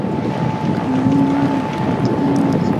直隶顺天人。